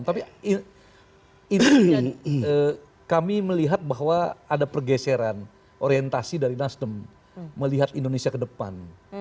tapi intinya kami melihat bahwa ada pergeseran orientasi dari nasdem melihat indonesia ke depan